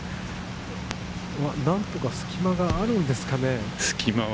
なんとか隙間があるんですかね？